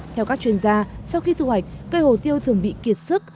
theo các chuyên gia sau khi thu hoạch cây hồ tiêu thường bị kiệt sức